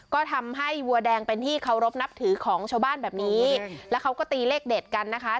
ก็ทำให้วัวแดงเป็นที่เคารพนับถือของชาวบ้านแบบนี้แล้วเขาก็ตีเลขเด็ดกันนะคะ